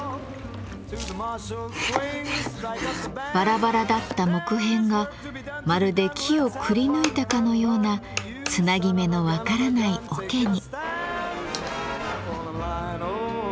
バラバラだった木片がまるで木をくりぬいたかのようなつなぎ目のわからない桶に。